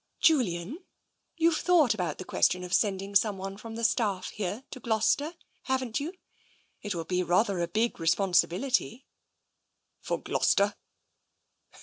" Julian, youVe thought about the question of send ing someone from the staff here to Gloucester, haven't you? It will be rather a big responsibility." For Gloucester